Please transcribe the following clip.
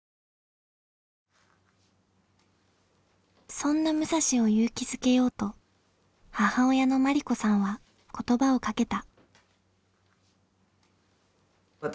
そんな武蔵を勇気づけようと母親の真理子さんは言葉をかけた。